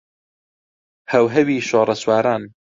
هەوهەوی شۆڕەسواران